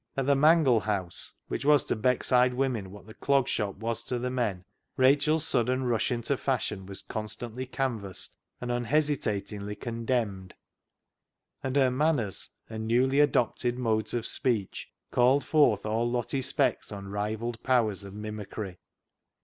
At the mangle house, which was to Beckside women what the Clog Shop was to the men, Rachel's sudden rush into fashion was constantly canvassed and unhesitatingly condemned, and her " manners " and newly adopted modes of speech called forth all Lottie Speck's unrivalled powers of mimicry.